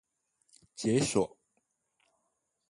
解鎖